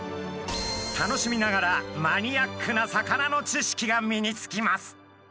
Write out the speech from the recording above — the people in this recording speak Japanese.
楽しみながらマニアックな魚の知識が身につきます。